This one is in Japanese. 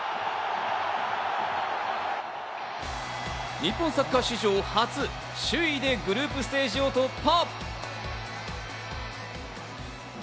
日本サッカー史上初、首位でグループステージを突破！